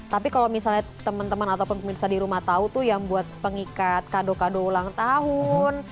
tapi kalau misalnya teman teman ataupun pemirsa di rumah tahu tuh yang buat pengikat kado kado ulang tahun